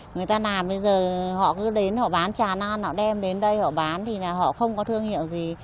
người ta làm bây giờ họ cứ đến họ bán trà non họ đem đến đây họ bán thì là họ không có thương hiệu gì